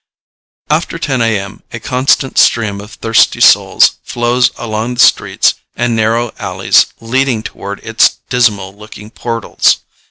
After 10 A. M. a constant stream of thirsty souls flows along the streets and narrow alleys leading toward its dismal looking portals.